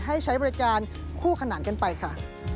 ให้ใช้บริการคู่ขนานกันไปค่ะ